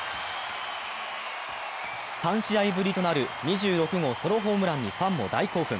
３試合ぶりとなる２６号ソロホームランにファンも大興奮。